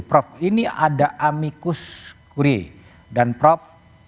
prof ini ada amikus kure dan prof